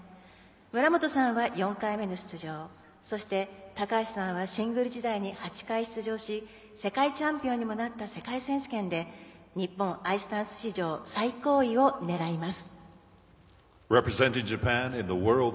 村元さんは４回目の出場高橋さんはシングル時代に８回出場し世界チャンピオンにもなった世界選手権で日本アイスダンス史上最高位を狙います。